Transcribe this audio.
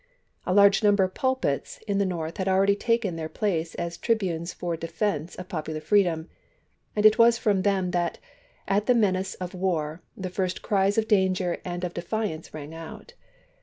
A large number of pulpits in the North had already taken their places as tri bunes for the defense of popular freedom, and it was from them that, at the menace of war, the first cries of danger and of defiance rang out.